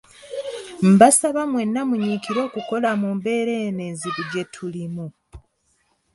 Mbasaba mwenna munyiikirire okukola mu mbeera eno enzibu gye tulimu.